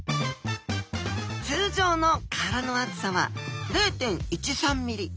通常の殻の厚さは０．１３ｍｍ。